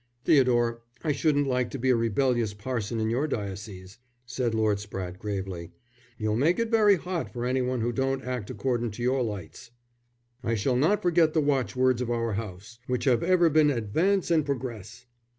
"Theodore, I shouldn't like to be a rebellious parson in your diocese," said Lord Spratte, gravely. "You'll make it very hot for any one who don't act accordin' to your lights." "I shall not forget the watchwords of our house, which have ever been Advance and Progress.